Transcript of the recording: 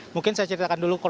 mungkin saya ceritakan dulu